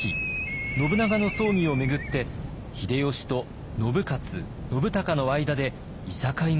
信長の葬儀を巡って秀吉と信雄信孝の間でいさかいが起こります。